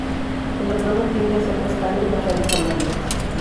El abdomen tiende a ser castaño y las rayas amarillas.